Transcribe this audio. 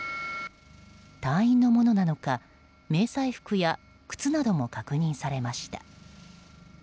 隊員のものなのか迷彩服や靴なども確認されました。